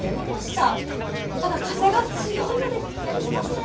ただ風が強いので、ひんやりしますね。